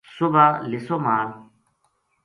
صبح لِسو مال